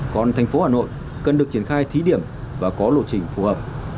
còn thành phố hà nội cần được triển khai thí điểm và có lộ trình phù hợp